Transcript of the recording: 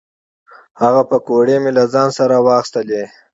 هغه پیکورې مې له ځان سره را واخیستلې.